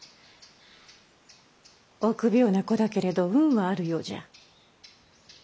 臆病な子だけれど運はあるようじゃ。